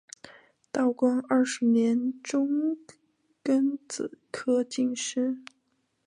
道光二十年中庚子科进士。